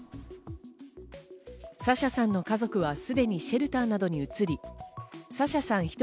サシャさんの家族はすでにシェルターなどに移り、サシャさん